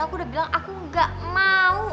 aku udah bilang aku gak mau